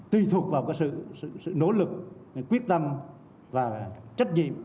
tùy thuộc vào sự nỗ lực quyết tâm và trách nhiệm